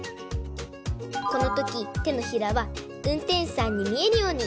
このときてのひらはうんてんしゅさんにみえるように！